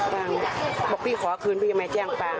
บอกพี่ขอคืนพี่จะมาแจ้งป้า